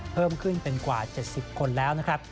เพิ่มขึ้นเป็นกว่า๗๐คนแล้วนะครับ